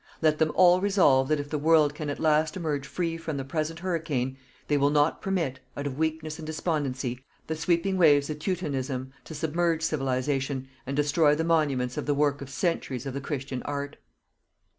Let them all resolve that if the world can at last emerge free from the present hurricane, they will not permit, out of weakness and despondency, the sweeping waves of teutonism to submerge Civilization and destroy the monuments of the work of centuries of the Christian Art.